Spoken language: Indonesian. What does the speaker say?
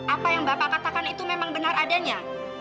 apa yang bapak katakan itu memang benar adanya